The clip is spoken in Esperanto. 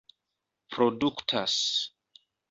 produktas